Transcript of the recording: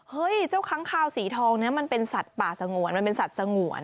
เฮ้ยเจ้าค้างคาวสีทองเนี่ยมันเป็นสัตว์ป่าสงวน